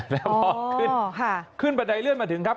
เนี่ยนะฮะขึ้นค่ะขึ้นบันไดเลื่อนมาถึงครับ